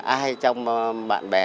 ai trong bạn bè